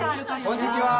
こんにちは！